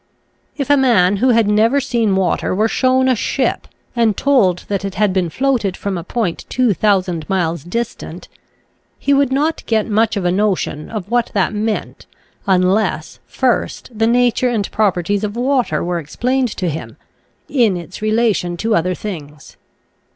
If a man who had never seen water were shown a ship and told that it had been floated from a point 2,000 miles dis tant, he would not get much of a notion of what that meant unless first the nature and properties of water were explained to him, in its relation to other things.